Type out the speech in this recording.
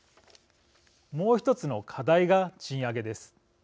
もう１つの課題が賃上げです。